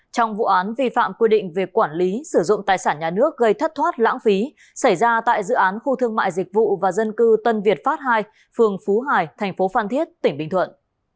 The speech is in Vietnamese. trong vụ án vi phạm quy định về quản lý sử dụng tài sản nhà nước gây thất thoát lãng phí xảy ra tại dự án khu thương mại dịch vụ và dân cư tân việt pháp ii phường phú hải thành phố phan thiết tỉnh bình thuận